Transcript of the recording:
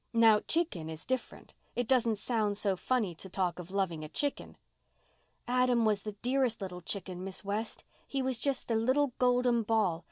Now, 'chicken' is different. It doesn't sound so funny to talk of loving a chicken." "Adam was the dearest little chicken, Miss West. He was just a little golden ball.